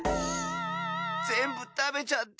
ぜんぶたべちゃった。